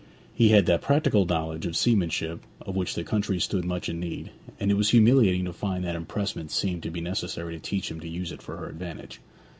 He had that practical knowledge of seamanship of which the country stood much in need, and it was humiliating to find that impressment seemed to be necessary to teach him to use it for her advantage.